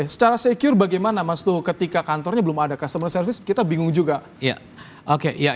secara secure bagaimana mas tohu ketika kantornya belum ada customer service kita bingung juga